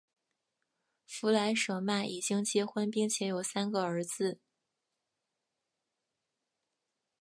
弗莱舍曼已经结婚并且有三个儿子。